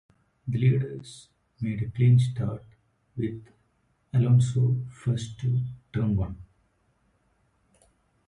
The leaders made a clean start, with Alonso first to turn one.